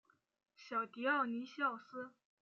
小狄奥尼西奥斯。